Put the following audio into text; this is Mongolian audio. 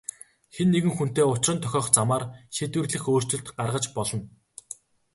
Хэн нэгэн хүнтэй учран тохиох замаар шийдвэрлэх өөрчлөлт гаргаж болно.